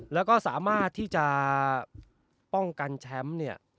และสามารถที่จะป้องกันแชมป์